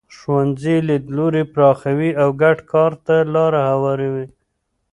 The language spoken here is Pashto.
ښوونځي لیدلوري پراخوي او ګډ کار ته لاره هواروي.